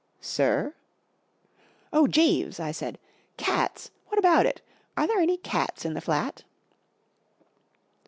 • 4 Sir ?" 44 Oh, Jeeves," I said. "Cats! What about it ? Are there any cats in the flat